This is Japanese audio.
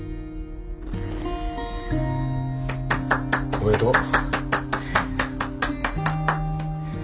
おめでとう。